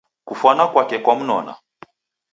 Kufwanwa kwake kwamnona.